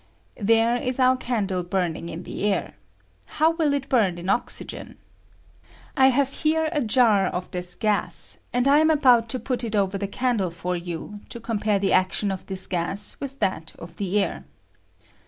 There ia our candle burning in the air : how will it bum in oxygen ? I have here a jar of this gas, and I am about to put it over the candle for you to compare the action of thia gas with that of the air.